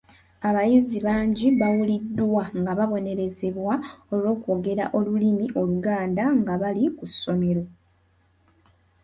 Abayizi bangi bawuliddwa nga babonerezebwa olw’okwogera olulimi Oluganda nga bali ku ssomero.